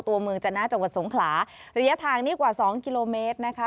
ตัวเมืองจนะจังหวัดสงขลาระยะทางนี้กว่าสองกิโลเมตรนะคะ